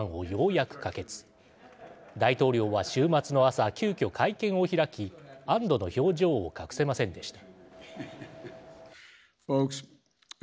大統領は週末の朝急きょ会見を開き安どの表情を隠せませんでした。